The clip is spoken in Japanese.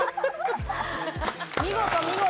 見事見事！